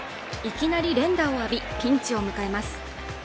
いきなり連打を浴びピンチを迎えます